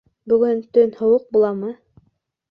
Бөгөн төн һыуыҡ буламы?